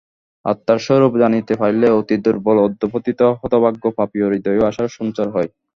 আত্মার স্বরূপ জানিতে পারিলে অতি দুর্বল অধঃপতিত হতভাগ্য পাপীর হৃদয়েও আশার সঞ্চার হয়।